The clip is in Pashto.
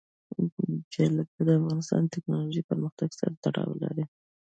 جلګه د افغانستان د تکنالوژۍ پرمختګ سره تړاو لري.